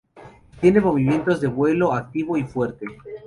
Tiene movimientos de vuelo activo y fuerte.